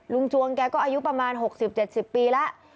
จวงแกก็อายุประมาณ๖๐๗๐ปีแล้ว